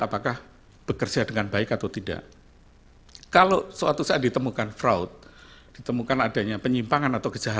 apakah bekerja dengan baik atau tidak kalau suatu saat ditemukan fraud ditemukan adanya penyimpangan atau kejahatan